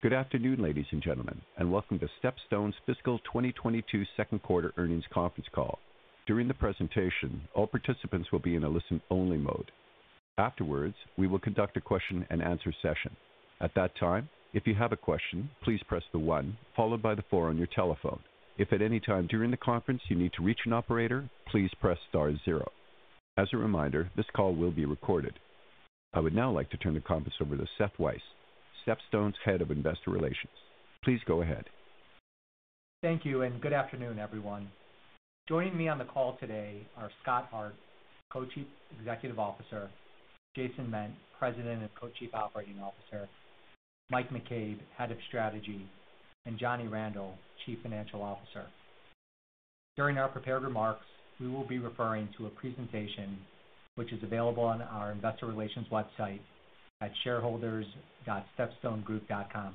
Good afternoon, ladies and gentlemen, and welcome to StepStone's fiscal 2022 second quarter earnings conference call. During the presentation, all participants will be in a listen-only mode. Afterwards, we will conduct a question-and-answer session. At that time, if you have a question, please press the one followed by the four on your telephone. If at any time during the conference you need to reach an operator, please press star zero. As a reminder, this call will be recorded. I would now like to turn the conference over to Seth Weiss, StepStone's Head of Investor Relations. Please go ahead. Thank you and good afternoon, everyone. Joining me on the call today are Scott Hart, Co-Chief Executive Officer, Jason Ment, President and Co-Chief Operating Officer, Mike McCabe, Head of Strategy, and Johnny Randel, Chief Financial Officer. During our prepared remarks, we will be referring to a presentation which is available on our investor relations website at shareholders.stepstonegroup.com.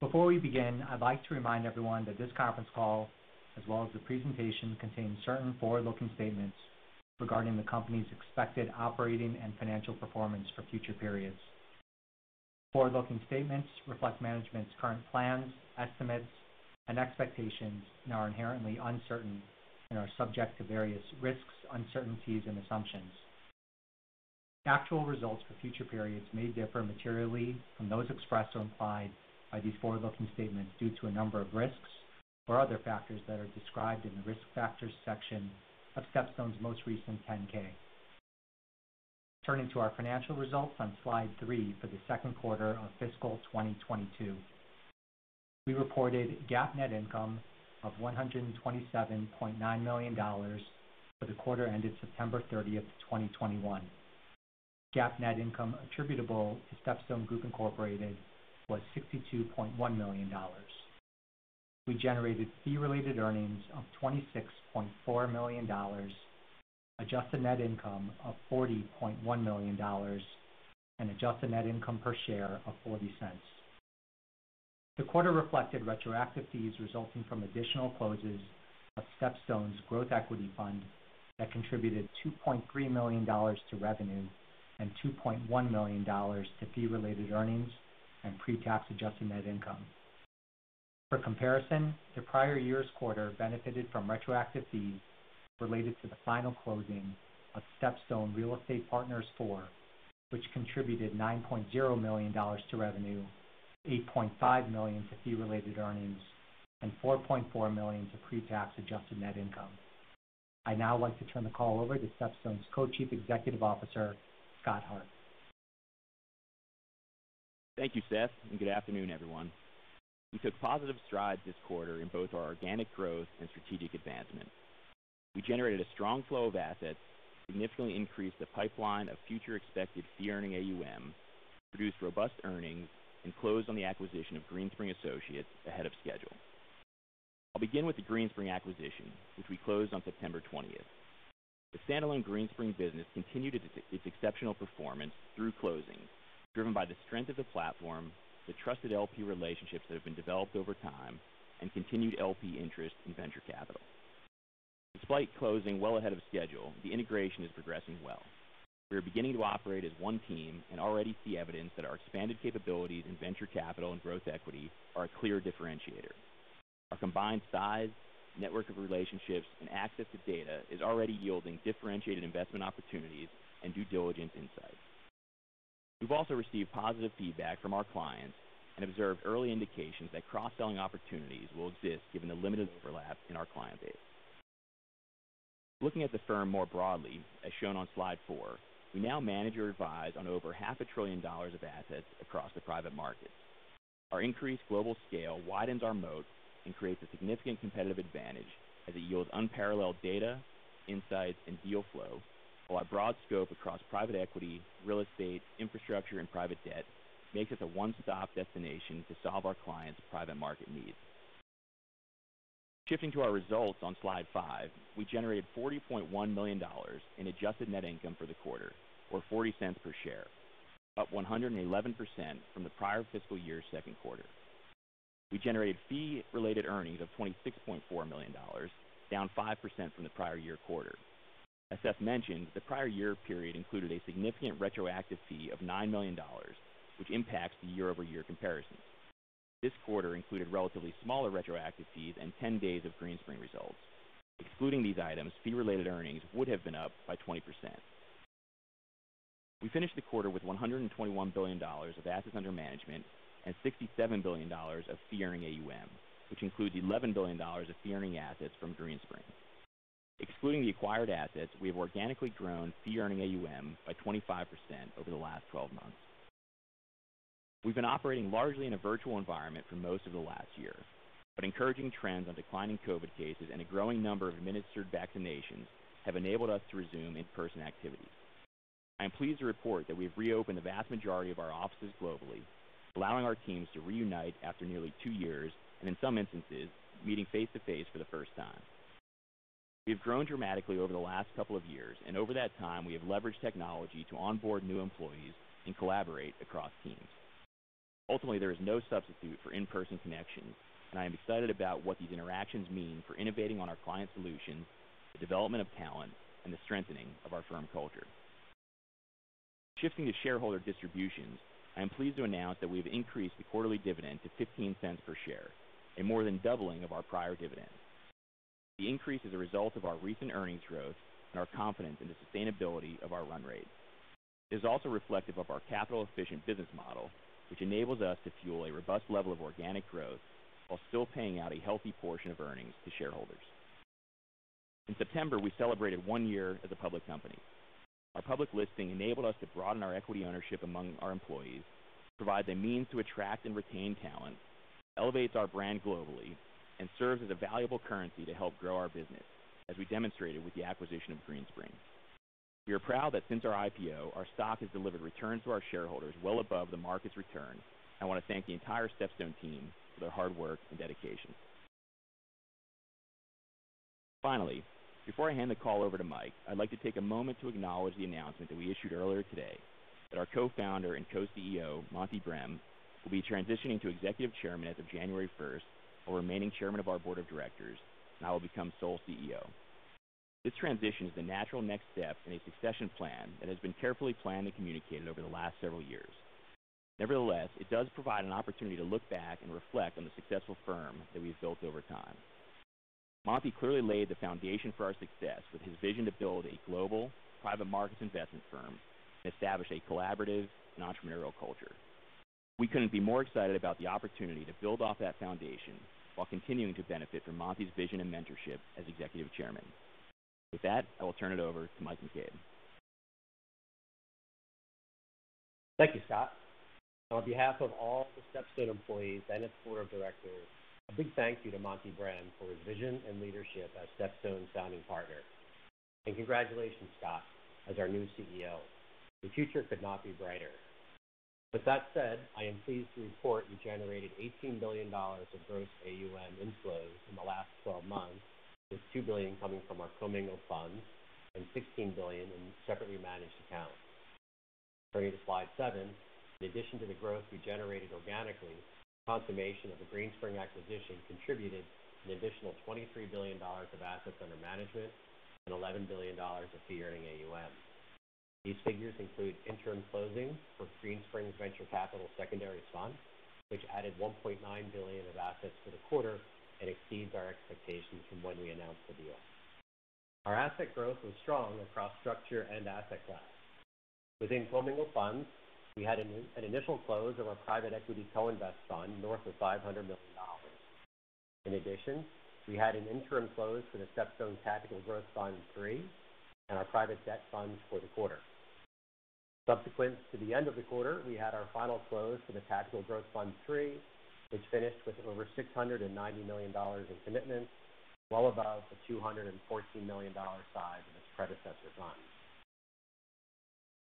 Before we begin, I'd like to remind everyone that this conference call, as well as the presentation, contains certain forward-looking statements regarding the company's expected operating and financial performance for future periods. Forward-looking statements reflect management's current plans, estimates, and expectations and are inherently uncertain and are subject to various risks, uncertainties, and assumptions. Actual results for future periods may differ materially from those expressed or implied by these forward-looking statements due to a number of risks or other factors that are described in the Risk Factors section of StepStone's most recent 10-K. Turning to our financial results on slide three for the second quarter of fiscal 2022. We reported GAAP net income of $127.9 million for the quarter ended September 30th, 2021. GAAP net income attributable to StepStone Group Inc. was $62.1 million. We generated fee related earnings of $26.4 million, adjusted net income of $40.1 million, and adjusted net income per share of $0.40. The quarter reflected retroactive fees resulting from additional closes of StepStone's Growth Equity Fund that contributed $2.3 million to revenue and $2.1 million to fee related earnings and pre-tax adjusted net income. For comparison, the prior year's quarter benefited from retroactive fees related to the final closing of StepStone Real Estate Partners IV, which contributed $9.0 million to revenue, $8.5 million to fee related earnings, and $4.4 million to pre-tax adjusted net income. I'd now like to turn the call over to StepStone's Co-Chief Executive Officer, Scott Hart. Thank you, Seth, and good afternoon, everyone. We took positive strides this quarter in both our organic growth and strategic advancement. We generated a strong flow of assets, significantly increased the pipeline of future expected fee-earning AUM, produced robust earnings, and closed on the acquisition of Greenspring Associates ahead of schedule. I'll begin with the Greenspring acquisition, which we closed on September 20th. The standalone Greenspring business continued its exceptional performance through closings driven by the strength of the platform, the trusted LP relationships that have been developed over time, and continued LP interest in venture capital. Despite closing well ahead of schedule, the integration is progressing well. We are beginning to operate as one team and already see evidence that our expanded capabilities in venture capital and growth equity are a clear differentiator. Our combined size, network of relationships, and access to data is already yielding differentiated investment opportunities and due diligence insights. We've also received positive feedback from our clients and observed early indications that cross-selling opportunities will exist given the limited overlap in our client base. Looking at the firm more broadly, as shown on slide four, we now manage or advise on over half a trillion dollars of assets across the private market. Our increased global scale widens our moat and creates a significant competitive advantage as it yields unparalleled data, insights, and deal flow, while our broad scope across private equity, real estate, infrastructure, and private debt makes us a one-stop destination to solve our clients' private market needs. Shifting to our results on slide five, we generated $40.1 million in adjusted net income for the quarter, or $0.40 per share, up 111% from the prior fiscal year's second quarter. We generated fee related earnings of $26.4 million, down 5% from the prior year quarter. As Seth mentioned, the prior year period included a significant retroactive fee of $9 million, which impacts the year-over-year comparison. This quarter included relatively smaller retroactive fees and 10 days of Greenspring results. Excluding these items, fee related earnings would have been up by 20%. We finished the quarter with $121 billion of assets under management and $67 billion of fee-earning AUM, which includes $11 billion of fee-earning assets from Greenspring. Excluding the acquired assets, we have organically grown fee-earning AUM by 25% over the last 12 months. We've been operating largely in a virtual environment for most of the last year, but encouraging trends on declining COVID cases and a growing number of administered vaccinations have enabled us to resume in-person activities. I am pleased to report that we have reopened the vast majority of our offices globally, allowing our teams to reunite after nearly two years, and in some instances, meeting face to face for the first time. We have grown dramatically over the last couple of years, and over that time, we have leveraged technology to onboard new employees and collaborate across teams. Ultimately, there is no substitute for in-person connections, and I am excited about what these interactions mean for innovating on our client solutions, the development of talent, and the strengthening of our firm culture. Shifting to shareholder distributions, I am pleased to announce that we have increased the quarterly dividend to $0.15 per share, a more than doubling of our prior dividend. The increase is a result of our recent earnings growth and our confidence in the sustainability of our run rate. It is also reflective of our capital-efficient business model, which enables us to fuel a robust level of organic growth while still paying out a healthy portion of earnings to shareholders. In September, we celebrated 1 year as a public company. Our public listing enabled us to broaden our equity ownership among our employees, provides a means to attract and retain talent, elevates our brand globally, and serves as a valuable currency to help grow our business, as we demonstrated with the acquisition of Greenspring. We are proud that since our IPO, our stock has delivered returns to our shareholders well above the market's return. I want to thank the entire StepStone team for their hard work and dedication. Finally, before I hand the call over to Mike, I'd like to take a moment to acknowledge the announcement that we issued earlier today that our co-founder and co-CEO, Monte Brem, will be transitioning to Executive Chairman as of January first while remaining Chairman of our board of directors, and I will become sole CEO. This transition is the natural next step in a succession plan that has been carefully planned and communicated over the last several years. Nevertheless, it does provide an opportunity to look back and reflect on the successful firm that we've built over time. Monte clearly laid the foundation for our success with his vision to build a global private markets investment firm and establish a collaborative and entrepreneurial culture. We couldn't be more excited about the opportunity to build off that foundation while continuing to benefit from Monte's vision and mentorship as Executive Chairman. With that, I will turn it over to Mike McCabe. Thank you, Scott. On behalf of all the StepStone employees and its board of directors, a big thank you to Monte Brem for his vision and leadership as StepStone's founding partner. Congratulations, Scott, as our new CEO. The future could not be brighter. With that said, I am pleased to report we generated $18 billion of gross AUM inflows in the last 12 months, with $2 billion coming from our commingled funds and $16 billion in separately managed accounts. Turning to slide seven. In addition to the growth we generated organically, the consummation of the Greenspring acquisition contributed an additional $23 billion of assets under management and $11 billion of fee-earning AUM. These figures include interim closing for Greenspring's venture capital secondary fund, which added $1.9 billion of assets for the quarter and exceeds our expectations from when we announced the deal. Our asset growth was strong across structures and asset classes. Within commingled funds, we had an initial close of our private equity co-invest fund north of $500 million. In addition, we had an interim close for the StepStone Tactical Growth Fund III and our private debt funds for the quarter. Subsequent to the end of the quarter, we had our final close for the Tactical Growth Fund III, which finished with over $690 million in commitments, well above the $214 million size of its predecessor fund.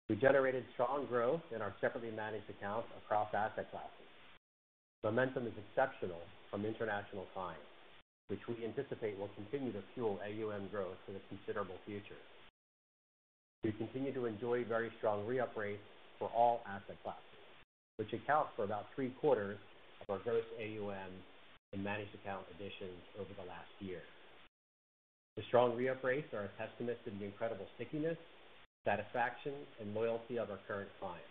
We generated strong growth in our separately managed accounts across asset classes. Momentum is exceptional from international clients, which we anticipate will continue to fuel AUM growth for the considerable future. We continue to enjoy very strong re-up rates for all asset classes, which account for about three-quarters of our gross AUM in managed account additions over the last year. The strong re-up rates are a testament to the incredible stickiness, satisfaction, and loyalty of our current clients.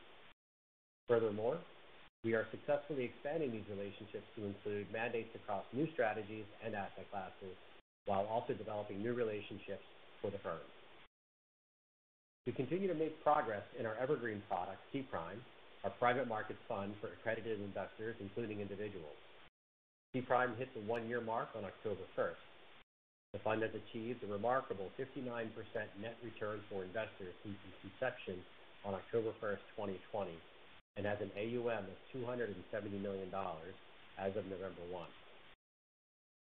Furthermore, we are successfully expanding these relationships to include mandates across new strategies and asset classes while also developing new relationships for the firm. We continue to make progress in our evergreen product, SPRIM, our private markets fund for accredited investors, including individuals. SPRIM hit the one-year mark on October first. The fund has achieved a remarkable 59% net return for investors since its inception on October 1st, 2020, and has an AUM of $270 million as of November 1.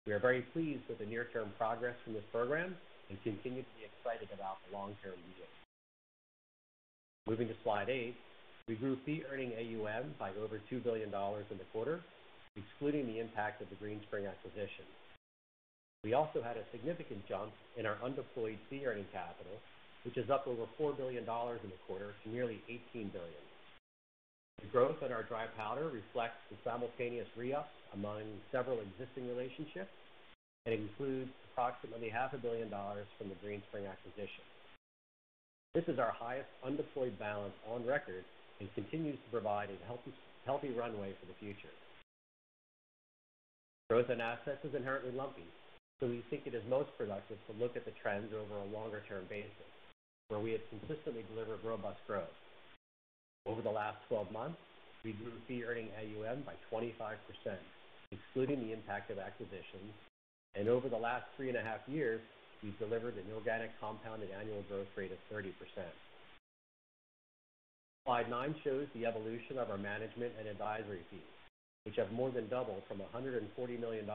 We are very pleased with the near-term progress from this program and continue to be excited about the long-term yield. Moving to slide eight. We grew fee-earning AUM by over $2 billion in the quarter, excluding the impact of the Greenspring acquisition. We also had a significant jump in our undeployed fee-earning capital, which is up over $4 billion in the quarter to nearly $18 billion. The growth in our dry powder reflects the simultaneous re-up among several existing relationships and includes approximately half a billion dollars from the Greenspring acquisition. This is our highest undeployed balance on record and continues to provide a healthy runway for the future. Growth in assets is inherently lumpy, so we think it is most productive to look at the trends over a longer-term basis where we have consistently delivered robust growth. Over the last 12 months, we grew fee-earning AUM by 25%, excluding the impact of acquisitions. Over the last three and a half years, we've delivered an organic compounded annual growth rate of 30%. Slide nine shows the evolution of our management and advisory fees, which have more than doubled from $140 million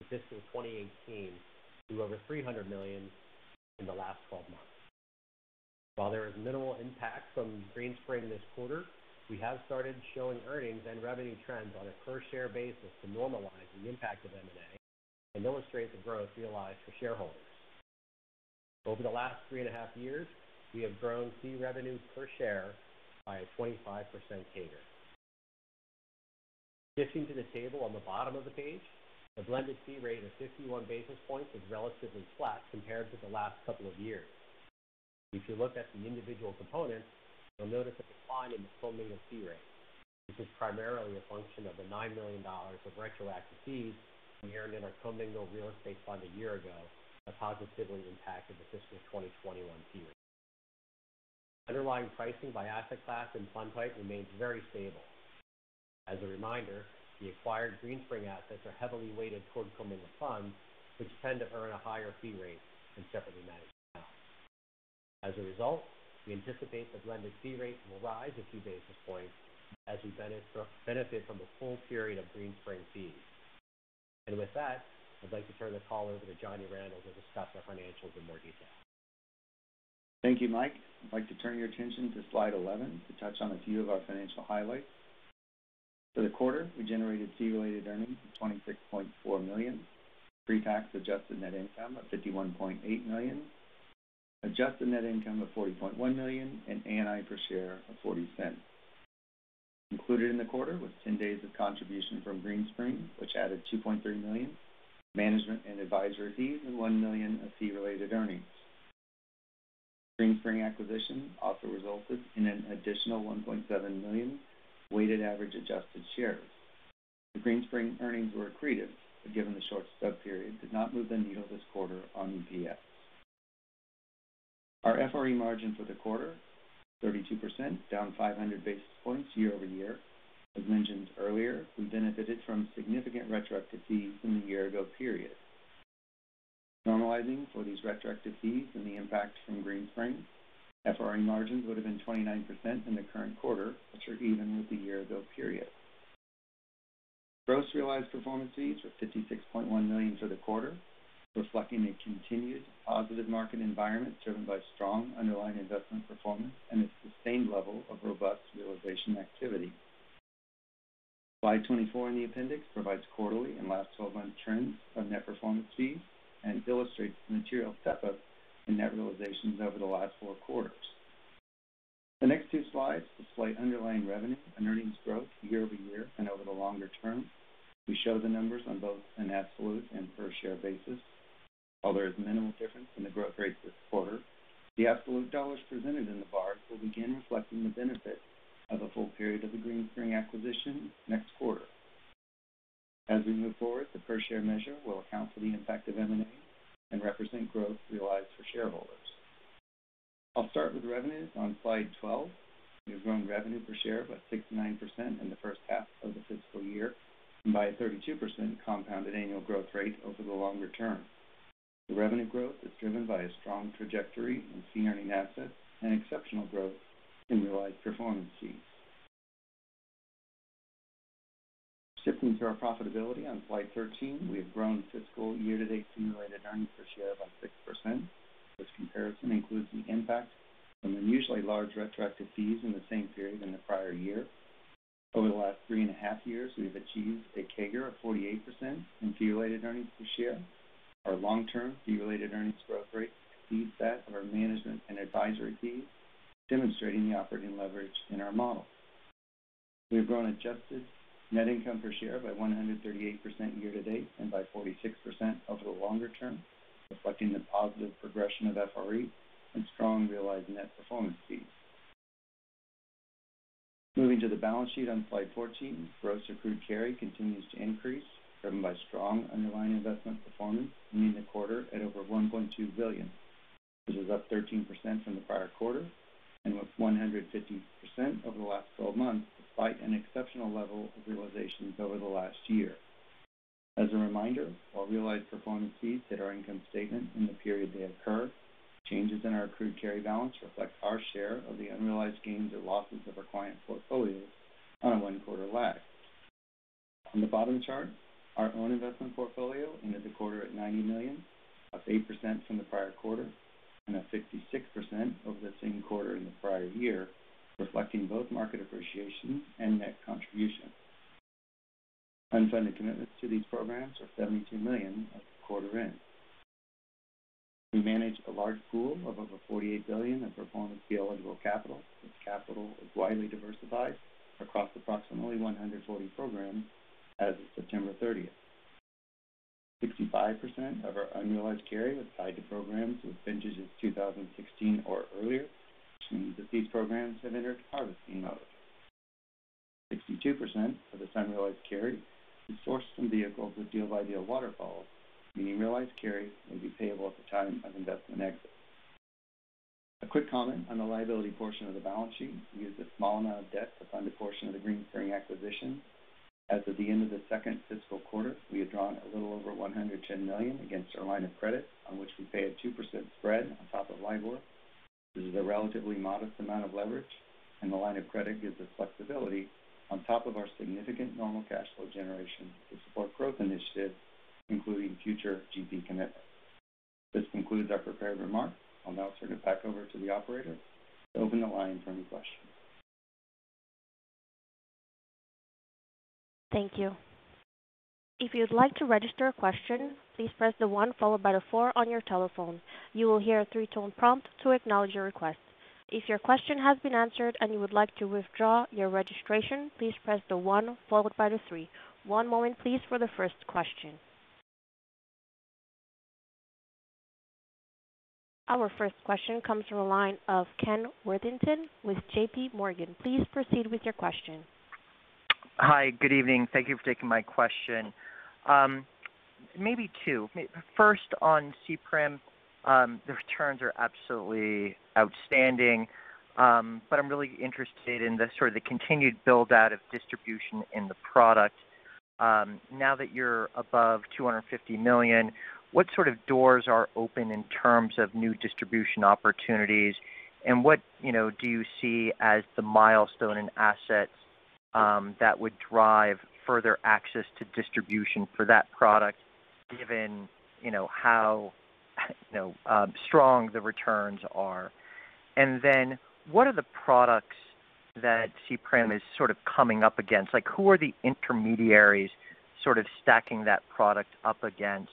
in fiscal 2018 to over $300 million in the last 12 months. While there is minimal impact from Greenspring this quarter, we have started showing earnings and revenue trends on a per-share basis to normalize the impact of M&A and illustrate the growth realized for shareholders. Over the last three and a half years, we have grown fee revenue per share by a 25% CAGR. Switching to the table on the bottom of the page, the blended fee rate of 51 basis points is relatively flat compared to the last couple of years. If you look at the individual components, you'll notice a decline in the commingled fee rate. This is primarily a function of the $9 million of retroactive fees we earned in our commingled real estate fund a year ago that positively impacted the fiscal 2021 fee rate. Underlying pricing by asset class and fund type remains very stable. As a reminder, the acquired Greenspring assets are heavily weighted toward commingled funds, which tend to earn a higher fee rate than separately managed accounts. As a result, we anticipate the blended fee rate will rise a few basis points as we benefit from the full period of Greenspring fees. With that, I'd like to turn the call over to Johnny Randel to discuss our financials in more detail. Thank you, Mike. I'd like to turn your attention to slide 11 to touch on a few of our financial highlights. For the quarter, we generated fee-related earnings of $26.4 million, pre-tax adjusted net income of $51.8 million, adjusted net income of $40.1 million, and ANI per share of $0.40. Included in the quarter was 10 days of contribution from Greenspring, which added $2.3 million management and advisory fees and $1 million of fee-related earnings. Greenspring acquisition also resulted in an additional 1.7 million weighted average adjusted shares. The Greenspring earnings were accretive, but given the short sub-period did not move the needle this quarter on EPS. Our FRE margin for the quarter, 32%, down 500 basis points year-over-year. As mentioned earlier, we benefited from significant retroactive fees from the year-ago period. Normalizing for these retroactive fees and the impact from Greenspring, FRE margins would have been 29% in the current quarter, which are even with the year-ago period. Gross realized performance fees were $56.1 million for the quarter, reflecting a continued positive market environment driven by strong underlying investment performance and a sustained level of robust realization activity. Slide 24 in the appendix provides quarterly and last 12-month trends of net performance fees and illustrates the material step up in net realizations over the last four quarters. The next two slides display underlying revenue and earnings growth year-over-year and over the longer term. We show the numbers on both an absolute and per share basis. While there is minimal difference in the growth rates this quarter, the absolute dollars presented in the bars will begin reflecting the benefit of a full period of the Greenspring acquisition next quarter. As we move forward, the per share measure will account for the impact of M&A and represent growth realized for shareholders. I'll start with revenues on slide 12. We've grown revenue per share by 69% in the first half of the fiscal year and by a 32% compounded annual growth rate over the longer term. The revenue growth is driven by a strong trajectory in fee earning assets and exceptional growth in realized performance fees. Shifting to our profitability on slide 13. We have grown fiscal year-to-date accumulated earnings per share by 6%. This comparison includes the impact from unusually large retroactive fees in the same period in the prior year. Over the last 3.5 years, we've achieved a CAGR of 48% in fee-related earnings per share. Our long-term fee-related earnings growth rate exceeds that of our management and advisory fees, demonstrating the operating leverage in our model. We have grown adjusted net income per share by 138% year to date and by 46% over the longer term, reflecting the positive progression of FRE and strong realized net performance fees. Moving to the balance sheet on slide 14. Gross accrued carry continues to increase, driven by strong underlying investment performance, ending the quarter at over $1.2 billion. This is up 13% from the prior quarter and up 150% over the last 12 months, despite an exceptional level of realizations over the last year. As a reminder, while realized performance fees hit our income statement in the period they occur, changes in our accrued carry balance reflect our share of the unrealized gains or losses of our client portfolios on a one-quarter lag. On the bottom chart, our own investment portfolio ended the quarter at $90 million, up 8% from the prior quarter and up 66% over the same quarter in the prior year, reflecting both market appreciation and net contribution. Unfunded commitments to these programs are $72 million as of quarter end. We manage a large pool of over $48 billion in performance fee-eligible capital. This capital is widely diversified across approximately 140 programs as of September 30th. Sixty five percent of our unrealized carry was tied to programs with vintages 2016 or earlier, which means that these programs have entered harvesting mode. Sixty two percent of this unrealized carry is sourced from vehicles with deal-by-deal waterfalls, meaning realized carry will be payable at the time of investment exit. A quick comment on the liability portion of the balance sheet. We used a small amount of debt to fund a portion of the Greenspring acquisition. As of the end of the second fiscal quarter, we had drawn a little over $110 million against our line of credit on which we pay a 2% spread on top of LIBOR. This is a relatively modest amount of leverage, and the line of credit gives us flexibility on top of our significant normal cash flow generation to support growth initiatives, including future GP commitments. This concludes our prepared remarks. I'll now turn it back over to the operator to open the line for any questions. Thank you. If you would like to register your question please press one followed by four on your telephone. You will hear a prompt to announce your request. If your question has been answered and you would like to withdraw your registration, please press one followed by three. One more three for the first question. Our first question comes from the line of Ken Worthington with J.P. Morgan. Please proceed with your question. Hi, good evening. Thank you for taking my question. Maybe two. First, on SPRIM, the returns are absolutely outstanding, but I'm really interested in the sort of the continued build-out of distribution in the product. Now that you're above $250 million, what sort of doors are open in terms of new distribution opportunities? What, you know, do you see as the milestone and assets that would drive further access to distribution for that product given, you know, how, you know, strong the returns are? Then what are the products that SPRIM is sort of coming up against? Like, who are the intermediaries sort of stacking that product up against?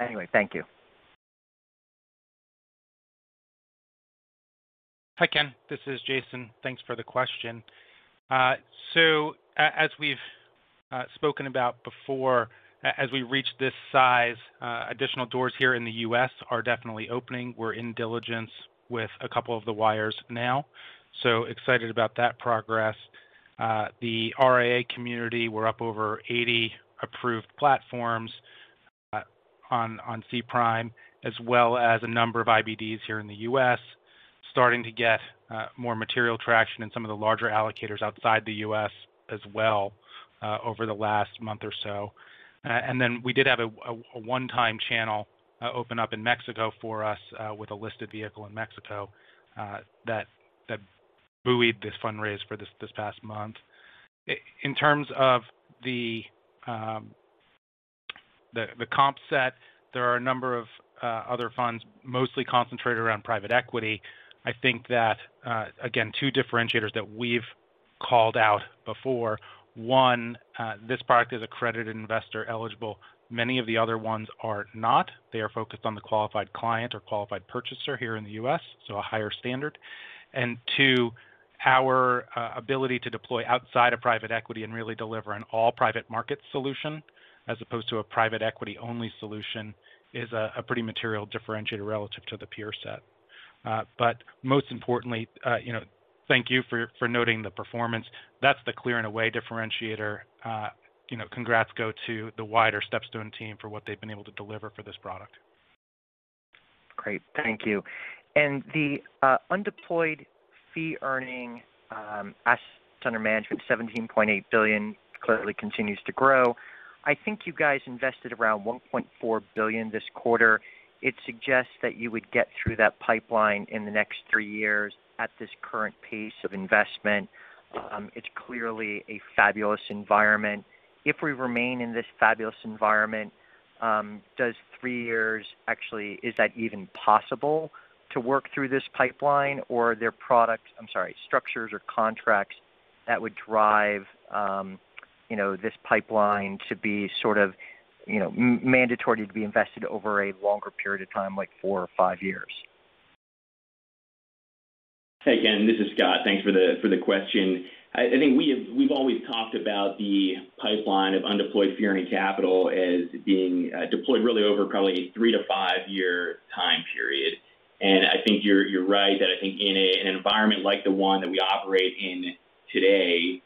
Anyway, thank you. Hi, Ken. This is Jason. Thanks for the question. As we've spoken about before, as we reach this size, additional doors here in the U.S. are definitely opening. We're in diligence with a couple of the wires now, so excited about that progress. The RIA community, we're up over 80 approved platforms on SPRIM, as well as a number of IBDs here in the U.S., starting to get more material traction in some of the larger allocators outside the U.S. as well, over the last month or so. We did have a one-time channel open up in Mexico for us with a listed vehicle in Mexico that buoyed this fundraise for this past month. In terms of the comp set, there are a number of other funds, mostly concentrated around private equity. I think that again, two differentiators that we've called out before. One, this product is accredited investor eligible. Many of the other ones are not. They are focused on the qualified client or qualified purchaser here in the U.S., so a higher standard. Two, our ability to deploy outside of private equity and really deliver an all-private market solution as opposed to a private equity-only solution is a pretty material differentiator relative to the peer set. Most importantly, you know, thank you for noting the performance. That's the clear and away differentiator. You know, congrats go to the wider StepStone team for what they've been able to deliver for this product. Great. Thank you. The undeployed fee-earning assets under management, $17.8 billion, clearly continues to grow. I think you guys invested around $1.4 billion this quarter. It suggests that you would get through that pipeline in the next 3 years at this current pace of investment. It's clearly a fabulous environment. If we remain in this fabulous environment, does 3 years actually, is that even possible to work through this pipeline or are there products, I'm sorry, structures or contracts that would drive, you know, this pipeline to be sort of, you know, mandatory to be invested over a longer period of time, like 4 years or 5 years? Hey, Ken, this is Scott. Thanks for the question. I think we've always talked about the pipeline of undeployed fee-earning capital as being deployed really over probably a 3-year to 5-year time period. I think you're right that I think in an environment like the one that we operate in today,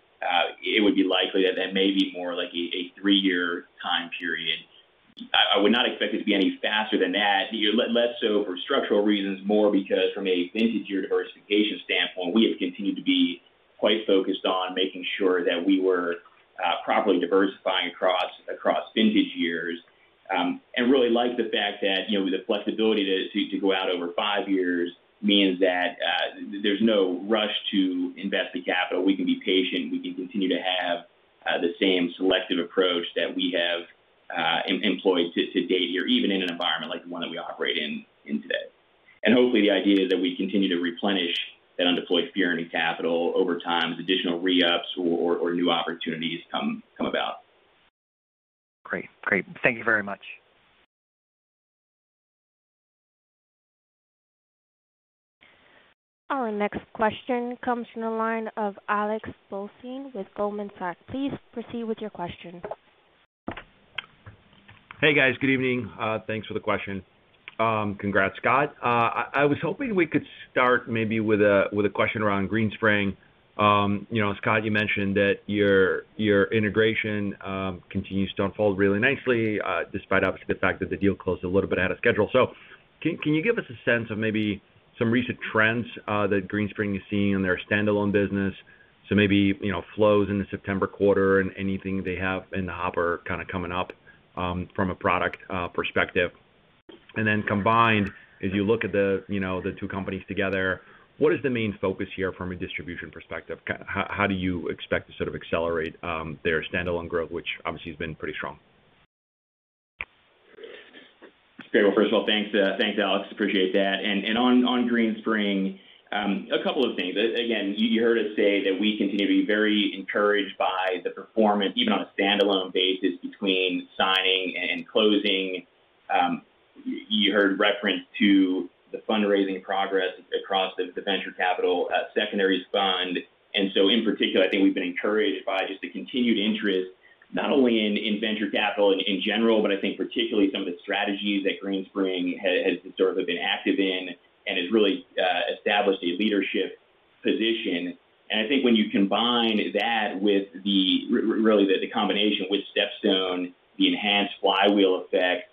it would be likely that that may be more like a 3-year time period. I would not expect it to be any faster than that, less so for structural reasons, more because from a vintage year diversification standpoint, we have continued to be quite focused on making sure that we were properly diversifying across vintage years. I really like the fact that, you know, the flexibility to go out over 5 years means that there's no rush to invest the capital. We can be patient. We can continue to have the same selective approach that we have employed to date here, even in an environment like the one that we operate in today. Hopefully, the idea that we continue to replenish that undeployed fee-earning capital over time as additional re-ups or new opportunities come about. Great. Thank you very much. Our next question comes from the line of Alex Blostein with Goldman Sachs. Please proceed with your question. Hey, guys. Good evening. Thanks for the question. Congrats, Scott. I was hoping we could start maybe with a question around Greenspring. You know, Scott, you mentioned that your integration continues to unfold really nicely, despite obviously the fact that the deal closed a little bit out of schedule. Can you give us a sense of maybe some recent trends that Greenspring is seeing in their standalone business? Maybe, you know, flows in the September quarter and anything they have in the hopper kinda coming up, from a product perspective. Then combined, as you look at the, you know, the two companies together, what is the main focus here from a distribution perspective? How do you expect to sort of accelerate their standalone growth, which obviously has been pretty strong? Great. Well, first of all, thanks, Alex. Appreciate that. On Greenspring, a couple of things. Again, you heard us say that we continue to be very encouraged by the performance, even on a standalone basis, between signing and closing. You heard reference to the fundraising progress across the venture capital secondaries fund. In particular, I think we've been encouraged by just the continued interest, not only in venture capital in general, but I think particularly some of the strategies that Greenspring has sort of been active in and has really established a leadership position. I think when you combine that with the really the combination with StepStone, the enhanced flywheel effect,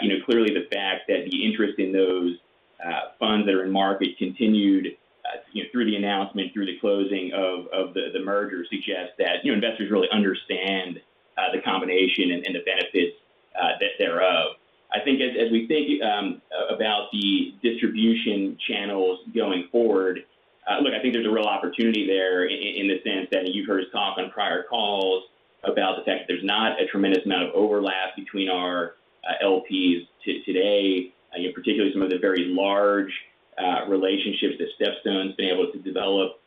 you know, clearly the fact that the interest in those funds that are in market continued, you know, through the announcement, through the closing of the merger suggests that, you know, investors really understand the combination and the benefits thereof. I think as we think about the distribution channels going forward, look, I think there's a real opportunity there in the sense that you've heard us talk on prior calls about the fact that there's not a tremendous amount of overlap between our LPs today, you know, particularly some of the very large relationships that StepStone's been able to develop,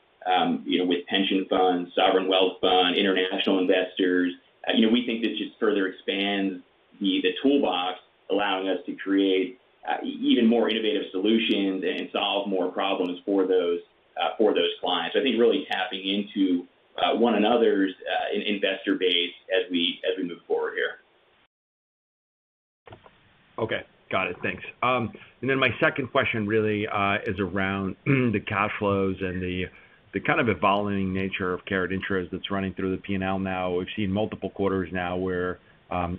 you know, with pension funds, sovereign wealth funds, international investors. You know, we think this just further expands the toolbox, allowing us to create even more innovative solutions and solve more problems for those clients. I think really tapping into one another's investor base as we move forward here. Okay. Got it. Thanks. My second question really is around the cash flows and the kind of evolving nature of carried interest that's running through the P&L now. We've seen multiple quarters now where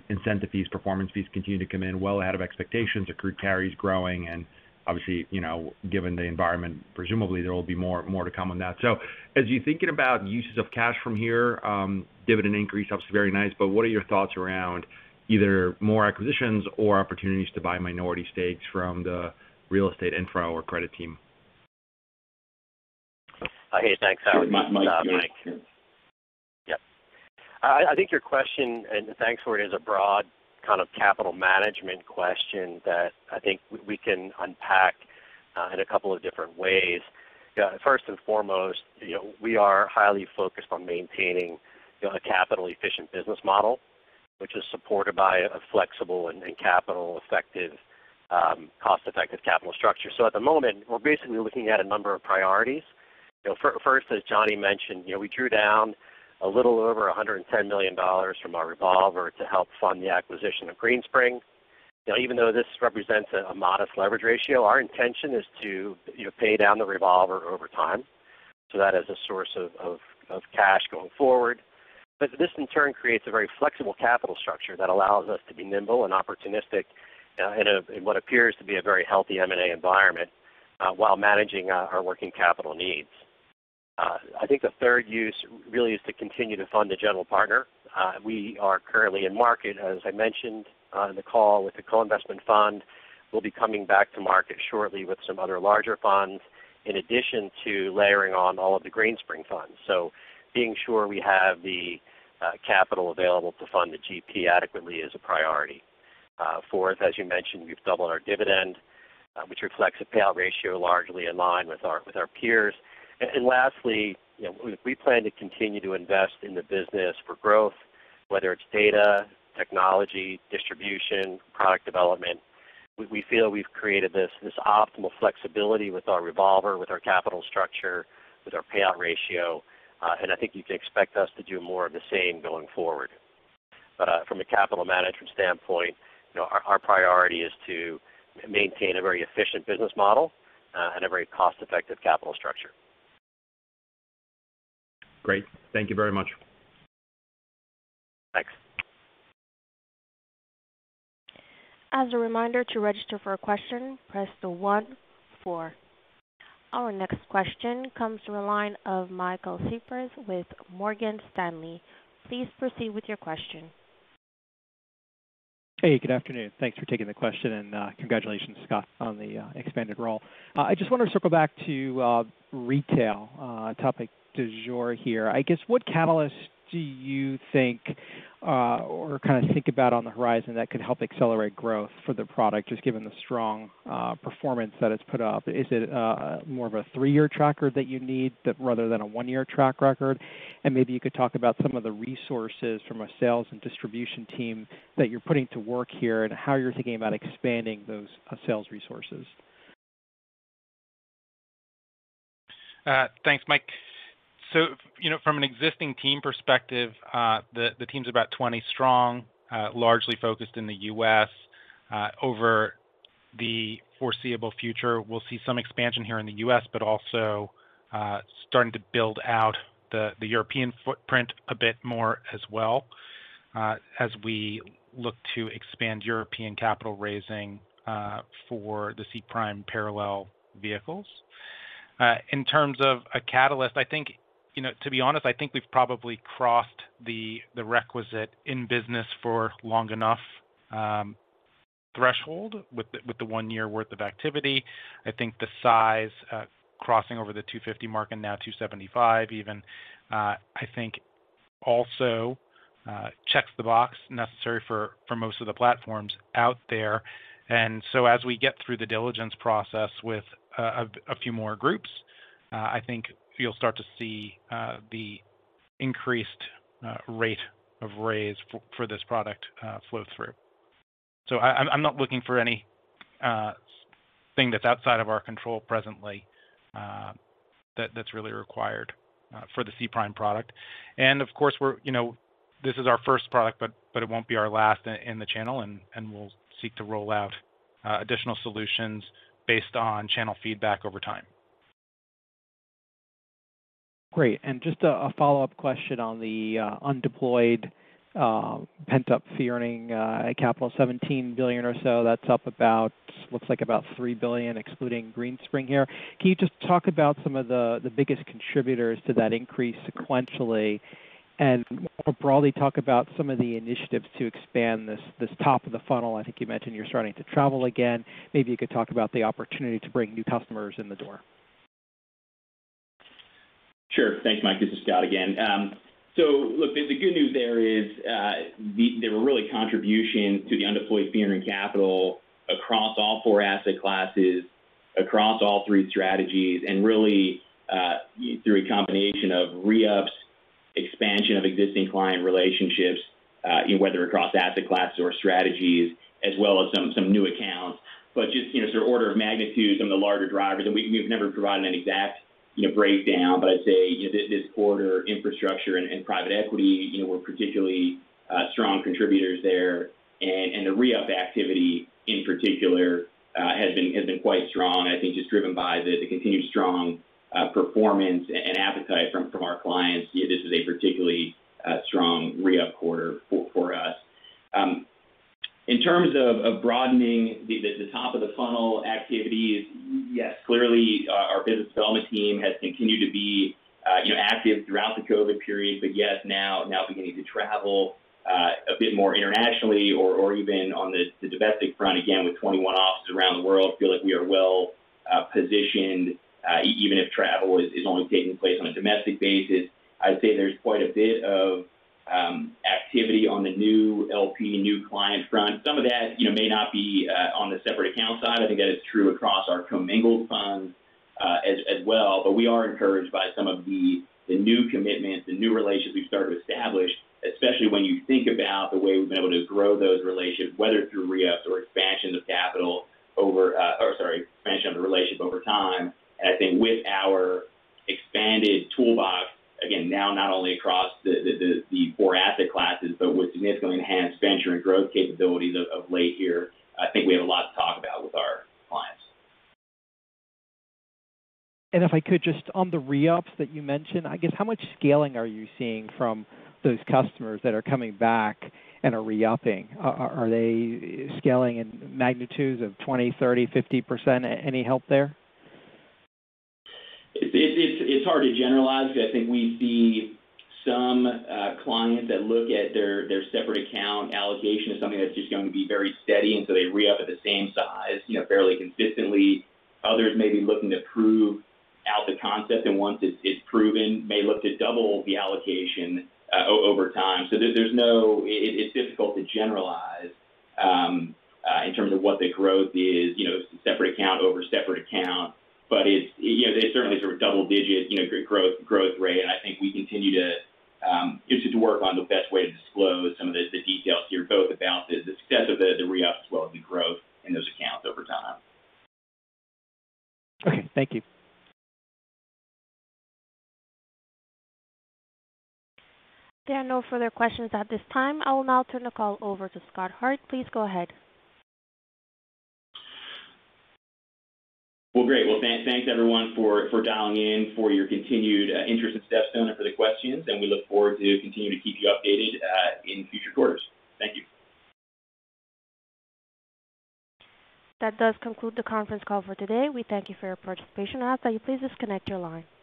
incentive fees, performance fees continue to come in well ahead of expectations. Accrued carry is growing and obviously, you know, given the environment, presumably there will be more to come on that. As you're thinking about uses of cash from here, dividend increase helps. Very nice. But what are your thoughts around either more acquisitions or opportunities to buy minority stakes from the real estate infra or credit team? Hey, thanks, Alex. Mike. Yeah. I think your question, and thanks for it, is a broad kind of capital management question that I think we can unpack in a couple of different ways. First and foremost, you know, we are highly focused on maintaining, you know, a capital efficient business model, which is supported by a flexible and cost-effective capital structure. At the moment, we're basically looking at a number of priorities. You know, first, as Johnny mentioned, you know, we drew down a little over $110 million from our revolver to help fund the acquisition of Greenspring. You know, even though this represents a modest leverage ratio, our intention is to, you know, pay down the revolver over time. That is a source of cash going forward. This in turn creates a very flexible capital structure that allows us to be nimble and opportunistic in what appears to be a very healthy M&A environment while managing our working capital needs. I think the third use really is to continue to fund the general partner. We are currently in market, as I mentioned on the call, with the co-investment fund. We'll be coming back to market shortly with some other larger funds, in addition to layering on all of the Greenspring funds. Being sure we have the capital available to fund the GP adequately is a priority. Fourth, as you mentioned, we've doubled our dividend, which reflects a payout ratio largely in line with our peers. Lastly, you know, we plan to continue to invest in the business for growth, whether it's data, technology, distribution, product development. We feel we've created this optimal flexibility with our revolver, with our capital structure, with our payout ratio. I think you can expect us to do more of the same going forward. From a capital management standpoint, you know, our priority is to maintain a very efficient business model, and a very cost-effective capital structure. Great. Thank you very much. Thanks. As a reminder, to register for a question, press the one four. Our next question comes from the line of Michael Cyprys with Morgan Stanley. Please proceed with your question. Hey, good afternoon. Thanks for taking the question, and congratulations, Scott, on the expanded role. I just wanna circle back to retail, topic du jour here. I guess what catalyst do you think, or kinda think about on the horizon that could help accelerate growth for the product, just given the strong performance that it's put up? Is it more of a three-year tracker that you need rather than a one-year track record? And maybe you could talk about some of the resources from a sales and distribution team that you're putting to work here and how you're thinking about expanding those sales resources. Thanks, Mike. You know, from an existing team perspective, the team's about 20 strong, largely focused in the U.S. Over the foreseeable future, we'll see some expansion here in the U.S., but also starting to build out the European footprint a bit more as well, as we look to expand European capital raising for the SPRIM parallel vehicles. In terms of a catalyst, I think, you know, to be honest, I think we've probably crossed the requisite in business for long enough threshold with the 1-year worth of activity. I think the size crossing over the $250 mark and now $275 even, I think Also, checks the box necessary for most of the platforms out there. As we get through the diligence process with a few more groups, I think you'll start to see the increased rate of raise for this product flow through. I'm not looking for anything that's outside of our control presently, that's really required for the SPRIM product. Of course, you know, this is our first product, but it won't be our last in the channel, and we'll seek to roll out additional solutions based on channel feedback over time. Great. Just a follow-up question on the undeployed pent-up fee-earning capital, $17 billion or so. That's up about. Looks like about $3 billion, excluding Greenspring here. Can you just talk about some of the biggest contributors to that increase sequentially, and more broadly, talk about some of the initiatives to expand this top of the funnel. I think you mentioned you're starting to travel again. Maybe you could talk about the opportunity to bring new customers in the door. Sure. Thanks, Mike. This is Scott again. Look, the good news there is, there were really contributions to the undeployed fee-earning capital across all four asset classes, across all three strategies, and really, through a combination of re-ups, expansion of existing client relationships, you know, whether across asset classes or strategies, as well as some new accounts. Just, you know, sort of order of magnitude, some of the larger drivers, and we've never provided an exact, you know, breakdown. I'd say, you know, this quarter, infrastructure and private equity, you know, were particularly strong contributors there. The re-up activity in particular has been quite strong. I think just driven by the continued strong performance and appetite from our clients. You know, this is a particularly strong re-up quarter for us. In terms of broadening the top of the funnel activity, yes, clearly our business development team has continued to be you know active throughout the COVID period. Yes, now beginning to travel a bit more internationally or even on the domestic front, again, with 21 offices around the world, we feel like we are well positioned, even if travel is only taking place on a domestic basis. I'd say there's quite a bit of activity on the new LP, new client front. Some of that, you know, may not be on the separate account side. I think that is true across our commingled funds, as well. We are encouraged by some of the new commitments, the new relations we've started to establish, especially when you think about the way we've been able to grow those relationships, whether through re-ups or expansion of the relationship over time. I think with our expanded toolbox, again, now not only across the four asset classes, but with significantly enhanced venture and growth capabilities of late here, I think we have a lot to talk about with our clients. If I could just on the re-ups that you mentioned, I guess how much scaling are you seeing from those customers that are coming back and are re-upping? Are they scaling in magnitudes of 20%, 30%, 50%? Any help there? It's hard to generalize. I think we see some clients that look at their separate account allocation as something that's just going to be very steady, and so they re-up at the same size, you know, fairly consistently. Others may be looking to prove out the concept, and once it's proven, may look to double the allocation over time. It's difficult to generalize in terms of what the growth is, you know, separate account over separate account. It's, you know, there's certainly sort of double-digit, you know, growth rate. I think we continue to work on the best way to disclose some of the details here, both about the extent of the re-ups as well as the growth in those accounts over time. Okay. Thank you. There are no further questions at this time. I will now turn the call over to Scott Hart. Please go ahead. Well, great. Well, thanks everyone for dialing in, for your continued interest in StepStone, and for the questions. We look forward to continuing to keep you updated in future quarters. Thank you. That does conclude the conference call for today. We thank you for your participation and ask that you please disconnect your line.